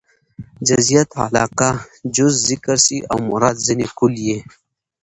جزئيت علاقه؛ جز ذکر سي او مراد ځني کُل يي.